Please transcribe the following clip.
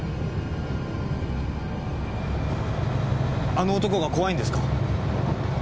あの男が怖いんですか？